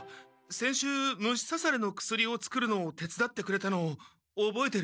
先週虫さされの薬を作るのを手つだってくれたのおぼえてる？